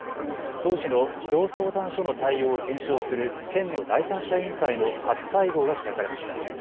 当時の児童相談所の対応を検証する県の第三者委員会の初会合が開かれました。